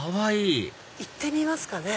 行ってみますかね。